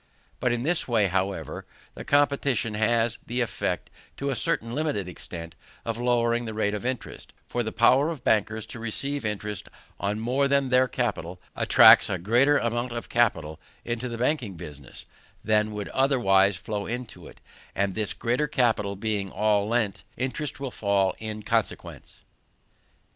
Even in this way, however, the competition has the effect, to a certain limited extent, of lowering the rate of interest; for the power of bankers to receive interest on more than their capital attracts a greater amount of capital into the banking business than would otherwise flow into it; and this greater capital being all lent, interest will fall in consequence.